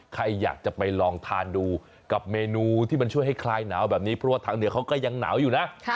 ใครอยากจะไปลองทานดูกับเมนูที่มันช่วยให้คลายหนาวแบบนี้เพราะว่าทางเหนือเขาก็ยังหนาวอยู่นะ